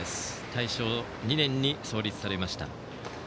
大正２年に創立されました。